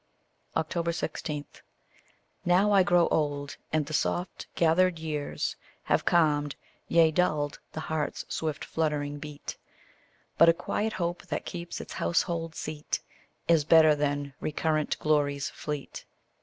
16. Now I grow old, and the soft gathered years Have calmed, yea dulled the heart's swift fluttering beat; But a quiet hope that keeps its household seat Is better than recurrent glories fleet.